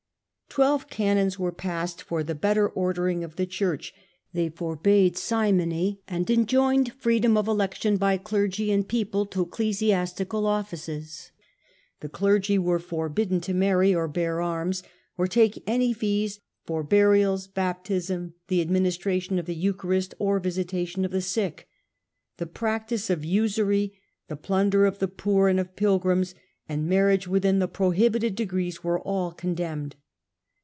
Twelve canons were passed for the better ordering of '\ the Church. They forbade simony, and enjoined freedom ''"^ of election by clergy and people to ecclesiastical offices; the clergy were forbidden to marry or bear arms^ or > take any fees for burials, baptism, the administration of the eucharist, or visitation of the sick. The practice of usury, the plunder of the poor and of pilgrims, and marriage within the prohibited degrees were all con * demned.